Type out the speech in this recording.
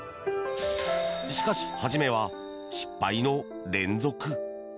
しかし、初めは失敗の連続。